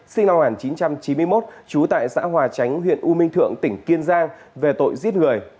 sinh năm một nghìn chín trăm chín mươi một trú tại xã hòa chánh huyện u minh thượng tỉnh kiên giang về tội giết người